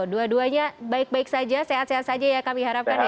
dua duanya baik baik saja sehat sehat saja ya kami harapkan ya